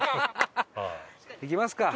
行きますか！